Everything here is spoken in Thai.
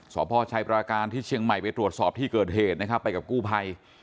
พ่อชัยปราการที่เชียงใหม่ไปตรวจสอบที่เกิดเหตุนะครับไปกับกู้ภัย